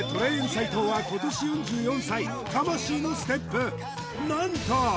斎藤は今年４４歳魂のステップなんと